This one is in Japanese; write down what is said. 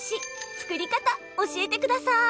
作り方、教えてください。